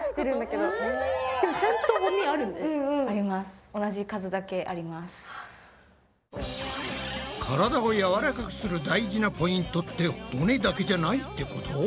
からだをやわらかくする大事なポイントって骨だけじゃないってこと？